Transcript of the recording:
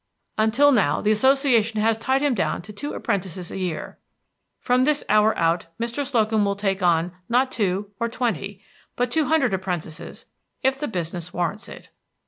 ] Until now the Association has tied him down to two apprentices a year. From this hour, out, Mr. Slocum will take on, not two, or twenty, but two hundred apprentices if the business warrants it."